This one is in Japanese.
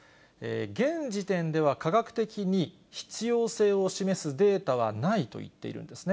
現時点では科学的に必要性を示すデータはないと言っているんですね。